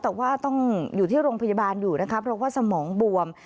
แต่ว่าต้องอยู่ที่โรงพยาบาลอยู่นะคะเพราะว่าสมองบวม